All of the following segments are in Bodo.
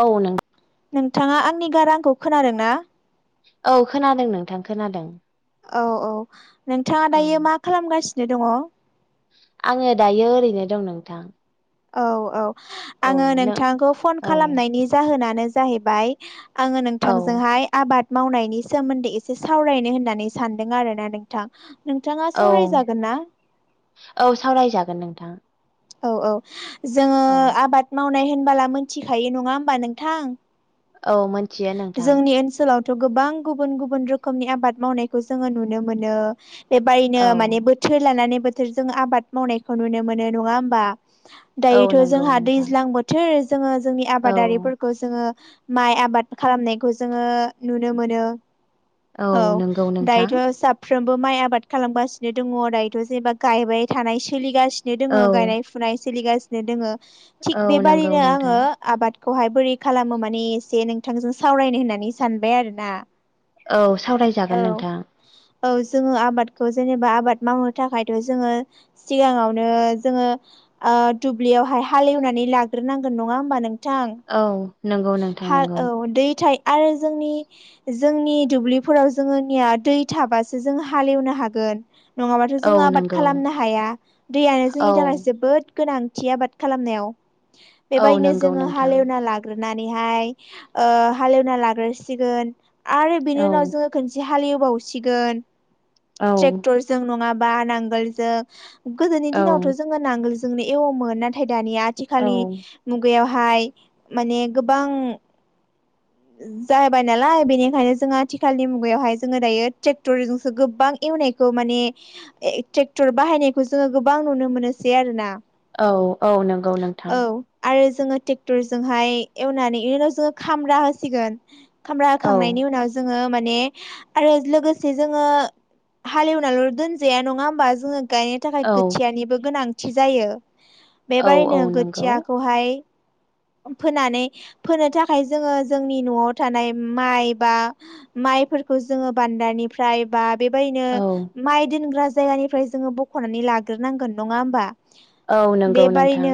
औ नं नोंथांआ आंनि गारांखौ खोनादों ना? औ खोनादों नोंथां खोनादों ओ‌ औ औ नोंथांआ औ दायो मा खालामगासिनो दङ? आङो दायो ओरैनो दं नोंथां? औ औ औ आङो नों नोंथांखौ फन औ खालामनायनि जाहोनानो जाहैबाय आङो औ नोंथांजोंहाय आबाद मावनायनि सोमोन्दै एसे सावरायनो होननानै सानदों आरो ना नोंथां? नोंथांआ औ सावरायजागोन ना? औ सावरायजागोन नोंथां औ औ जोङो औ आबाद मावनाय होनबोला मोनथिखायो नङा होमबा नोंथां? औ मोनथियो नोंथां थ' गोबां गुबुन गुबुन रोखोमनि आबाद मावनायखौ जोङो नुनो मोनो थ बेबायनो औ मानि बोथोर लानानै बोथोरजों आबाद मावनायखौ नुनो मोनो नङा होमबा? औ दायोथ' नंगौ जोंहा नोंथां दैज्लां बोथोर जोङो जोंनि औ आबादारिफोरखौ जोङो माइ आबाद खालामनायखौ जोङो ओ‌ नुनो मोनो औ नंगौ नोंथां दायोथ' साब फ्रोमबो माइ आबाद खालामगासिनो दङ दायोथ' जेनेबा गायबाय थानाय सोलिगासि नो दोङो औ गायनाय फुनाय सोलिगासिनो दोङो थिग औ नंगौ बेबादिनो नोंथां आङो आबाद खौहाय बोरै खालामो मानि एसे नोंथांजों सावरायनो होननानै सानबाय आरो ना औ सावरायजागोन नोंथां औ जोङो आबादखौ जेनेबा आबाद मावनो थाखायथ' जोङो सिगाङावनो जोङो ओ दुब्लिआवहाय हालेवनानै लाग्रोनांगोन नङा होमबा नों औ नोंगौ नोंथां नोंगौ औ दै थायो आरो जों ओ‌ जोंनि दुब्लिफोराव जोंनिया दै थाबासो जों हालेव नो हागोन नंआबाथ' औ जोङो आबाद नंगौ खालामनो हाया दैआनो औ जोंनि थाखाय जोबोद गोनांथि आबाद खालामनायाव औ बेबायनो नंगौ जोङो नोंथां हालेवना लाग्रोनानैहाय ओ‌ हालेवना लाग्रसिगोन आरो बिनि औ उनाव जोङो खोनसे हालिवबावसिगोन औ ट्रेक्टरजों नङाबा नांगोलजों गोदोनि औ दिनावथ' जोङो नांगोल जोंनो एवोमोन नाथाय दानिया औ आथिखालनि हो मुगाआव बेहाय माने गोबां जाबाय नालाय बेनिखायनो जों आथिखालनि मुगाआवहाय जोङो दायो ट्रेक्टरजोंसो गोबां नायखौ माने ट्रेक्टर बाहायनायखौ जोङो गोबां नुनो मोनोसै आरो ना औ औ नोंगौ नोंथां आरो जोङो ट्रेक्टरजोंहाय एवनानै बेनि इनि उनाव जोङो खामरा होसिगोन खामला औ होखांनायनि उनाव जोङो माने आरो लोगोसे जोङो हालेवनाल' दोनजाया नङा होमबा जोङो। गायनो थाखाय औ खोथियानिबो गोनांथि जायो औ बेबादैनो औ नंगौ खोथियाखौहाय। फोनानै फोनो थाखाय जोङो जोंनि न'आव थानाय माइ बा माइ। जायफोरखौ जोंङो बान्दानिफ्राय बा। बेबायदिनो औ माइ दोनग्रा जायगानिफ्राय जोङो बख'नानै लाग्रोनांगोन नङा होमबा? औ नंगौ नोंथां।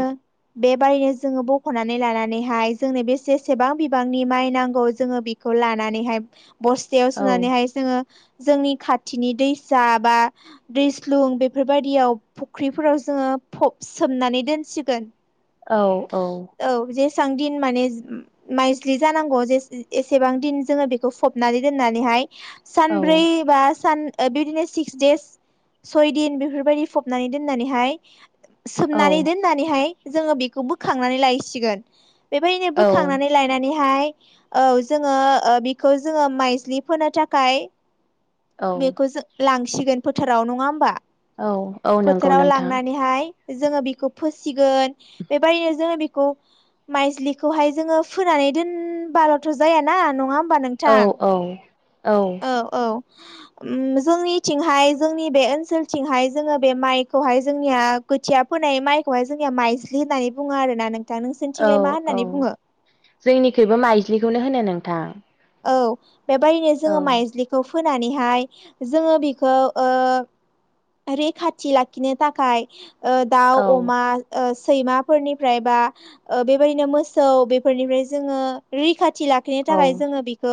बेबायादैनो जोङो ब ख'नानै लानानैहाय जोंनो बे जेसेबां बिबांनि माइ नांगौ जोङो बेखौ लानानैहाय। बस्थायाव औ सोनानैहाय जोङो। जोंनि खाथिनि दैसा बा दैस्लुं बेफोरबायदियाव फख्रिफोराव जोङो। फ सोमनानै दोनसिगोन। औ औ औ जेसेबां दिन माने माइजलि जानांगौ एसेबां दिन जोङो बेखौ फबनानै। औ [unintelligible] बिदिनो सिक्स देस सय दिन बेफोरबायदि फबनानै दोननानैहाय। सोमनानै औ दोननानैहाय जोङो बेखौ बो खांनानै लायसिगोन। बेबायदिनो औ बोखांनानै लायनानै। नाय औ जोङो बिखौ जोङो माइस्लि फोनो थाखाय। औ बेखौ जों लांसिगोन फोथाराव नङा होमबा? औ औ नंगौ फोथाराव नोंथां लांनानैहाय। जोङो बेखौ फिसिगोन बेबायदिनो जोङो बेखौ। माइस्लिखौहाय जोङो फोनानै दोनबाल'थ' जायाना नङा होम होमबा औ नोंथां औ औ औ। जोंनिथिंहाय जोंनि बे ओनसोलथिंहाय जोङो बे माइखौहाय जोंनिया खोथिया फ नाय माइखौहाय जोंनिया माइज्लि होननानै बुङो आरो ना नों। औ औ जोंनिखबो माइज्लिखौनो होनो नोंथां। औ बेबायदिनो औ जोङो माइज्लिखौ। फोनानैहाय जोङो बेखौ रैखाथि लाखिनो थाखाय दाउ औ अमा। सैमाफोरनिफ्राय बा बेबायदिनो मोसौ बेफोरनिफ्राय जोङो रैखाथि लाखिनो औ थाखाय। खौ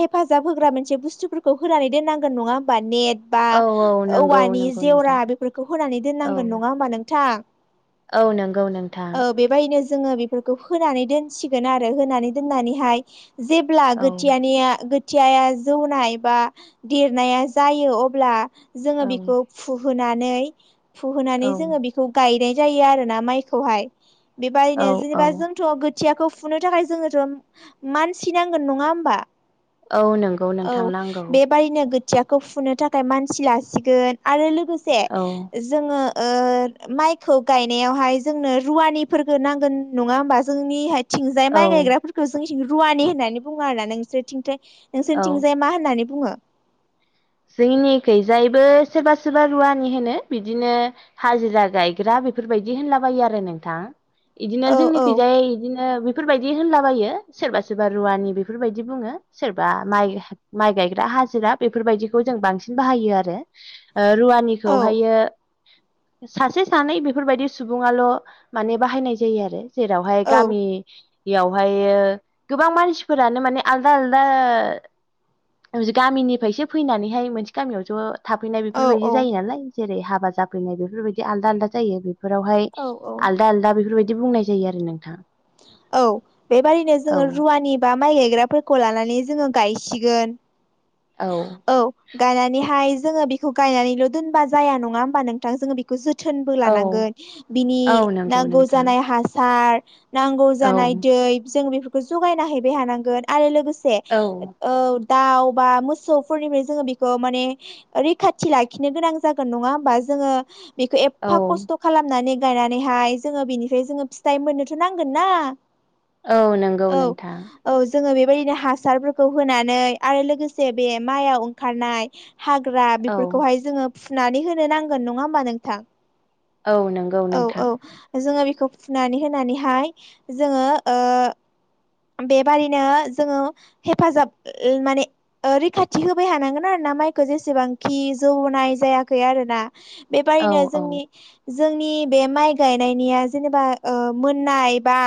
हेफाजाब होग्रा मोनसे बुस्थुफोरखौ होनानै दोननांगोन नङा होमबा नेट। बा औ नंगौ औवानि नंगौ नोंथां जेवरा बेफोरखौ होनानै औ दोननांगोन नङा होमबा नोंथां? औ नंगौ नोंथां। ओ बेबायदिनो जोङो बेफोरखौ होनानै दोनसिगोन आरो होनानै दोननानैहाय। जेब्ला औ गोथियानिया। खोथियाया जौनाय बा देरनाया जायो अब्ला जोङो औ बेखौ फु फोनानै औ फुहोनानै जोङो बेखौ गायनाय जायो आरोना माइखौहाय। औ बेबायनो औ जेनेबा जोंथ' गोथियाखौ फुनो थाखाय जोङोथ' मान सि नांगोन नङा होमबा औ नंगौ औ नोंथां नांगौ बेबायनो गो थियाखौ फुनो थाखाय मानसि लासिगोन आरो लोगोसे औ ओ जोङो ओ माइखौ गायनायावहाय जोंनो रुवानिफोरखो नांगोन नङा होमबा जोंनिहाय थिंजाय औ माइ गायग्राफोरखौ जोंनिसिं रुवानि होननानै बुङो आरोना नोंसोरथिंथाय औ नोंसोरनिथिंजाय मा होननानै बुङो? जोंनिखैजायबो सोरबा सोरबा रुवानि होनो बिदिनो हाजिरा गायग्रा बेफोरबायदि होनला बायो आरो नोंथां इदिनो औ जोंनिखैजाय इदिनो बेफोरबायदि होनलाबायो सोरबा सोरबा रुवानि बेफोरबायदि बुङो सोरबा माइ माइ गायग्रा हाजिरा बेफोरबायदिखौ जों बांसिन बाहायो आरो ओ औ रुवानिखौहायो सासे सानै बेफोरबायदि सुबुङाल' माने बाहायनाय जायो आरो। जेरावहाय औ गामि बेयावहायो गोबां मानसिफोरानो माने आलदा आलदा [unintelligible] गामिनिफायसो फैनानैहाय मोनसे गामियाव ज' थाफैनाय बेफोरबायदि औ जायो नालाय जेरै हाबा जाफैनाय बेफोरबायदि आलदा आलदा जायो बेफोरावहाय औ औ आलदा आलदा बेफोरबाय‌ बिदि बुंनाय जायो आरो नोंथां। औ बेबादैनो औ जोङो रुवानि बा माइ गाय ग्राफोरखौ लानानै जोङो गायसिगोन औ गायनानैहाय जोङो बेखौ गायनानैल' दोनबा जाया नङा होमबा नोंथां जोङो बेखौ जोथ थोनबो औ लानांगोन बिनि औ नंगौ नांगौ नोंथां जानाय हासार नांगौ औ जानाय दै जों बेफोरखौ जगायना हैैबाय हानांगोन आरो लोगोस से औ दाउ बा मोसौफोरनिफ्राय जोङो बेखौ माने रैखाथि लाखिनो गोनां जागोन नङा होमबा जोङो बेखौ औ एफा खस्थ' खालामनानै गायनानैहाय जोङो बेनिफ्राय जोङो फिथाइ मोननोथ' नांगोन ना। औ नोंगौ औ नोंथां। औ जोङो बेबायदिनो हासारफोरखौ होनानै आरो लोगोसे बे माइयाव ओंखारनाय हाग्रा औ बेफोरखौहाय जोङो फुनानै होनो नांगोन। नङा होमबा नोंथां? औ नंगौ औ नोंथां औ जोङो बेखौ फुनानै होनानै हाय जोङो ओ बेबादिनो जोङो हेफाजाब ओ माने ओ रैखाथि होबाय हानांगोन आरो ना माइखौ जेसेबांखि जौनाय जायाखै आरोना। औ बेबादि औ जोंनि जोंनि बे माइ गायनायनिया जेनेबा ओ मोननाय बा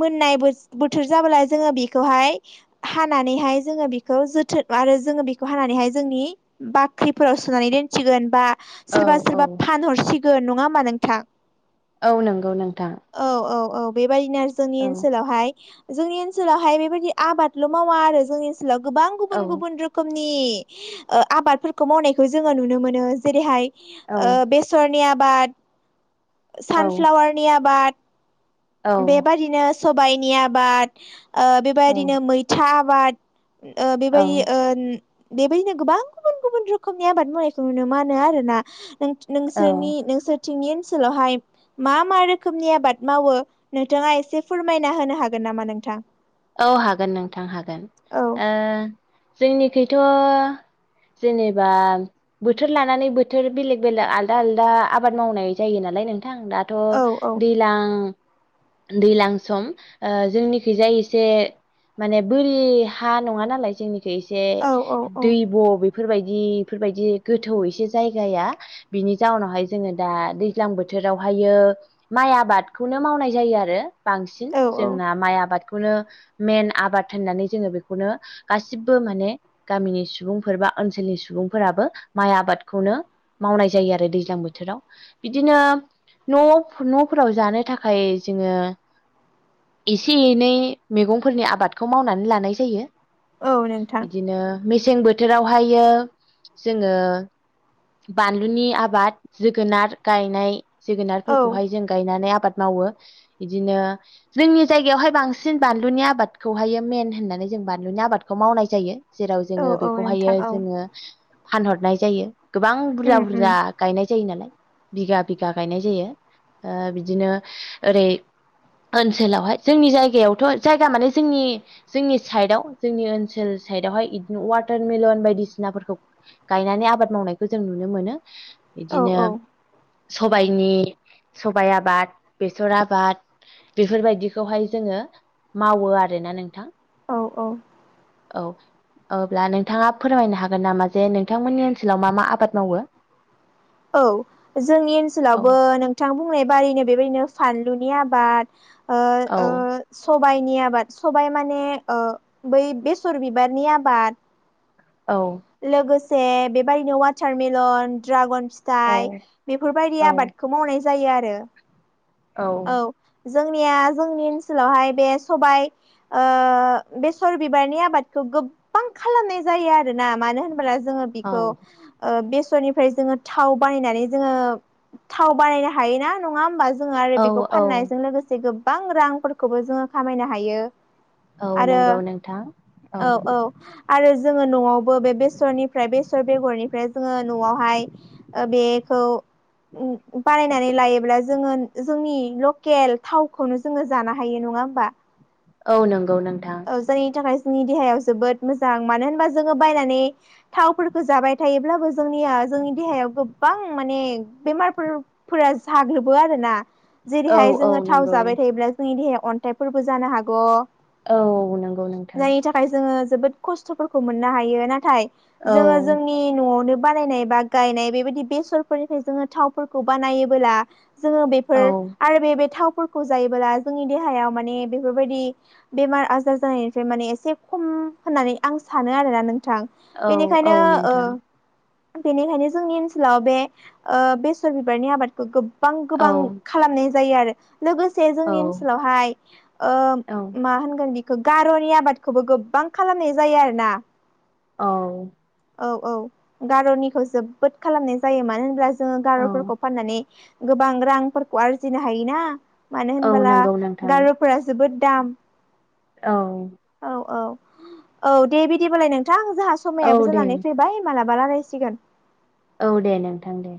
मोननाय बो-बोथोर जाब्ला जोङो बेखौहाय हानानैहाय जोङो बेखौ जोथोन आरो जोङो बेखौ हानानैहाय जोंनि बाख्रिफोराव सोनानै दोनसिगोन बा औ सोरबा औ सोरबा फानहरसिगोन। नङा होमबा नोंथां? औ नोंगौ नोंथां। औ औ औ बेबायदिनो जोंनि औ ओनसोलावहाय जोंनि ओनसोलावहाय बेबायदि आबादल' मावा आरो जोंनि ओनसोलाव गोबां गुबुन गुबुन रोखोम नि ओ आबादफोरखौ मावनायखौ जोङो नुनो मोनो जेरैहाय औ ओ बेसरनि आबाद औ सानफ्लावारनि आबाद बेबायदिनो सबाइनि आबाद ओ औ बेबायदिनो मैथा आबाद ओ बेबायदि ओ बेबायदिनो गोबां गुबुन गुबुन रोखोमनि आबाद मावनायखौ नुनो मानो आरोना। औ नों-नोंसोरनि नोंसोरथिंनि ओनसोलावहाय मा मा रोखोमनि आबाद मावो? नोंथाङा एसे फोरमायना होनो हागोन नामा नोंथां? औ हागोन नोंथां हागोन औ ओ जोंनिखैथ' जेनेबा बोथोर लानानै बोथोर बेलेग बेलेग आलदा आलदा आबाद मावनाय जायो नालाय नों दाथ' औ औ दैलां दैलां सम ओ जोंनिखिजाय एसे माने बोरि हा नङा नालाय जोंनिखौ एसे औ दै औ ब' फोरबायदि बेफोरबायदि गोथौ एसे जायगाया बिनि जाउनावहाय जोङो दा दैज्लां बोथोर बोथोरावहायो माइ आबादखौनो मावनाय जायो आरो बांसिन औ औ जोंना माइ आबाद बेखौनो मेइन आबाद होननानै जोङो बेखौनो गासिबो माने गामिनि सुबुंफोर बा ओनसोलनि सुबुंफोराबो माइ आबादखौनो मावनाय जायो आरो दैज्लां बोथोराव बिदिनो न'आव न'फोराव जानो थाखाय जोङो एसे एनै मैगंफोरनि आबादखौ मावनानै लानाय जायो। औ नोंथां बिदिनो मेसें बोथोरावहायो जोङो बानलुनि आबाद जोगोनार गायनाय औ जोगोनारफोरखौहाय जों गायनानै आबाद मावो बिदिनो जोंनि जायगायावहाय बांसिन बांसिन बानलुनि आबादखौहायो मेइन होननानै जों बानलुनि आबादखौ मावनाय जायो। जेराव जोङो औ औ बेखौहायो नोंथां औ जोङो फानहरनाय जायो। गोबां उम बुरजा उम बुरजा गायनाय जायो नालाय। बिघा बिघा गायनाय जायो। ओ बिदिनो ओरै ओनसोलावहाय। जोंनि जायगायाव जायगा माने जोंनि जोंनि साइडआव जोंनि ओनसोल साइडावहाय बिदिनो वाटारमेलन बायदि बायदिसिनाफोरखौ गायनानै आबाद मावनायखौ जों नुनो मोनो। औ बिदिनो औ सबाय जोंनि सबाइ आबाद, बेसर आबाद बेफोरबायदिखौहाय जोङो मावो आरोना नोंथां। औ औ। औ। अब्ला नोंथाङा फोरमायनो हागोन नामा जे नोंथांमोननि ओनसोलाव मा मा आबाद मावो? औ। जोंनि औ ओनसोलावबो नोंथां बुं [unintelligible] बेबायदिनो फानलुनि आबाद ओ औ ओ सबाइनि आबाद सबाइ माने ओ बै बेसर बिबारनि आबाद। औ लोगोसे बेबायदिनो वाटारमेलन, ड्रागन औ फिथाइ बेफोरबायदि औ आबादखौ मावनाय जायो आरो। औ। जोंनिया जोंनि ओनसोलावहाय बे सबाइ ओ बेसर बिबारनि आबादखौ गोबां खालामनाय जायो आरोना मानो होनोब्ला जोङो औ बेखौ बे निफ्राय जोङो थाव बानायनानै जोङो थाव बानायनो हायो ना नङा होमब्ला जोङो आरो औ बेखौ औ फाननायजों लोगोसे गोबां रांफोरखौबो जोङो खामायनो हायो। औ आरो नंगौ नोंथां। औ औ आरो जोङो न'आवबो बे बेसरनिफ्राय बेर बेगरनिफ्राय जोङो न'आवहाय बेखौ बानायनानै लायोब्ला जोङो जोंनि लकेल थावखौनो जोङो जानो हायो नङा होमबा। औ नं औ जायनि थाखाय जोंनि देहायाव जोबोद मोजां। मानो होनबा जोङो बायनानै थावफोरखौ जाबाय थायोब्लाबो जोंनिया जोंनि देहायाव गोबां माने बेमारफोरफोरा जाग्लोबो आरोना। औ जेरैहाय औ जोङो थाव नंगौ जाबाय थायोब्ला जोंनि देहाया अन्थाइफोरबो जानो हागौ। औ नंगौ नोंथां। जायनि थाखाय जोङो जोबोद खस्थ'फोरखौ मोननो हायो नाथाय औ जोङो जोंनि न'आवनो बानायनाय बा गायनाय बेबायदि बेसरफोरनिफ्राय जोङो थावफोरखौ बानायोबोला जोङो बेफोर औ आरो बे थाव फोरखौ जायोब्ला जोंनि देहाया माने बेफोरबायदि बेमार आजार बाजार जानायनिफ्राय माने एसे खम होननानै आं सानो आरोना नों थां औ बेनिखायनो औ ओ नोंथां बेनिखायनो जोंनि ओनसोलाव बे ओ बेसर बिबारनि आबादखौ गोब गोबां औ गोबां खालामनाय जायो आरो लोगोसे औ जोंनि ओनसोलावहाय ओ औ मा होनगोन बेखौ गार'नि आबादखौबो गोबां खालामनाय जायो आरो ना। औ। औ औ गार'निखौ जोबोद खालामनाय जायो मानो होनब्ला जोंङो औ गारफोरखौ फाननानै गोबां रांफोरखौ आरजिनो हायोना मानो औ होनबोला नंगौ नोंथां गारफोरा जोबोद दाम दा औ। औ दे बिदिबालाय नोंथां जोंहा औ समायाबो दे जानानै फैबाय मालाबा रायलायसिगोन। औ दे नोंथां दे।